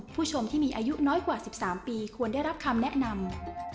ผู้ชมที่มีอายุน้อยกว่า๑๓ปีควรได้รับคำแนะนำ